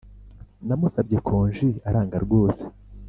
namusabye konje aranga rwose